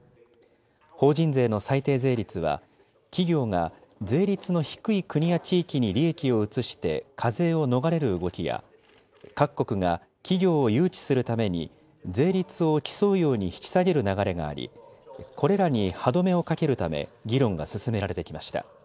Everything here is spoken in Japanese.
法人税の最低税率は、企業が税率の低い国や地域に利益を移して課税を逃れる動きや、各国が企業を誘致するために税率を競うように引き下げる流れがあり、これらに歯止めをかけるため、議論が進められてきました。